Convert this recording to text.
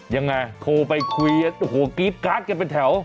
ยังไงโทรไปคุยโอ้โหกรี๊ดการ์ดกันเป็นแถว